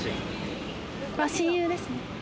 親友ですね。